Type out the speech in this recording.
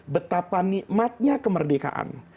betapa nikmatnya kemerdekaan